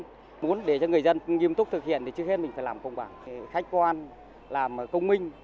muốn để cho người dân nghiêm túc thực hiện thì trước hết mình phải làm công bằng khách quan làm công minh